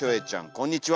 こんにちは。